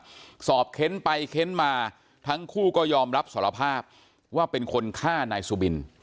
สุดท้ายเจอนะครับสอบเข็นไปเข็นมาทั้งคู่ก็ยอมรับสารภาพว่าเป็นคนฆ่านายสุบิน